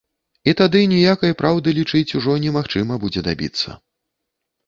І тады ніякай праўды, лічыць, ужо немагчыма будзе дабіцца.